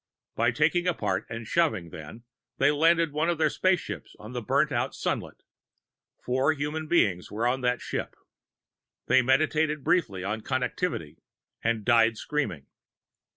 By taking apart and shoving, then, they landed their one spaceship on the burned out sunlet. Four human beings were on that ship. They meditated briefly on Connectivity and died screaming.